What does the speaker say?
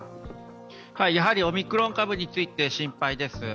やはりオミクロン株について心肺です。